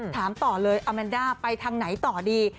ถามต่อเลยอาแมนด้าไปทางไหนต่อดี